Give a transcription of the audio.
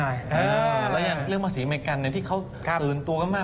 แล้วยังเรื่องภาษีอเมริกันเนี่ยที่เขาอื่นตัวก็มาก